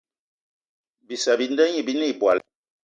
Bissa bi nda gnî binê ìbwal